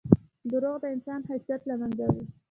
• دروغ د انسان حیثیت له منځه وړي.